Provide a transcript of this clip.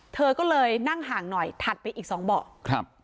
เธอก็เลยนั่งห่างหน่อยถัดไปอีก๒เบาะ